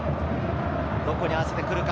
どこに合わせてくるか？